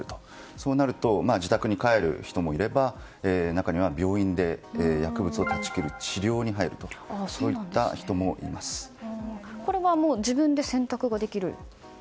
そうなると自宅に帰る人もいれば中には病院で薬物を断ち切るこれは自分で選択ができる。